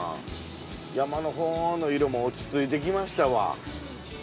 山の方の色も落ち着いてきましたわ。